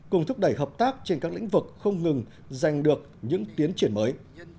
cùng thúc đẩy hợp tác trên các lĩnh vực không ngừng giành được những tiến triển mới